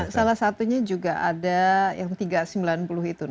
salah satunya juga ada yang tiga ratus sembilan puluh itu